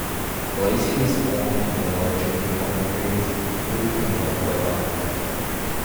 Glaciers form and develop during long periods of cool and wet weather.